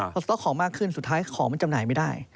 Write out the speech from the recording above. พอสต๊อกของมากขึ้นสุดท้ายของมันจำหน่ายไม่ได้